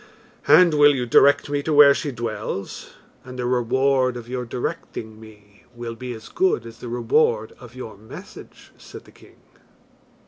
"And will you direct me to where she dwells? and the reward of your directing me will be as good as the reward of your message," said the king.